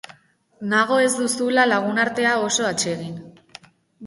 Nago ez duzula lagunartea oso atsegin.